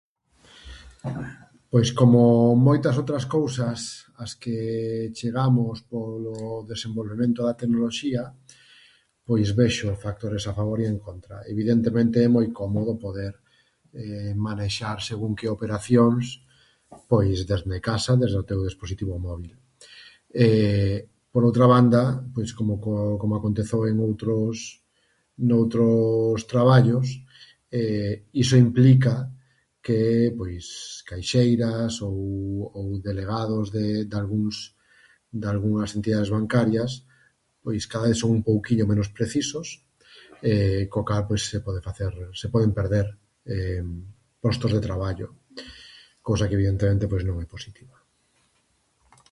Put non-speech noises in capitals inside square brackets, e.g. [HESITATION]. Pois como moitas outras cousas ás que chegamos polo desenvolvemento da tecnoloxía, pois vexo factores a favor e en contra. Evidentemente, é moi cómodo poder [HESITATION] manexar según que operacións, pois desde casa, desde o teu dispositivo móbil. [HESITATION] Por outra banda, pois como co- como aconteceu en outros, noutros traballos, [HESITATION] iso implica que, pois caixeiras ou ou delegados de dalgúns dalgunhas entidades bancarias, pois cada vez son un pouquiño menos precisos [HESITATION] co cal, pois se poden facer, se poden perder [HESITATION] postos de trabalo, cousa que evidentemente, pois, non é positivo.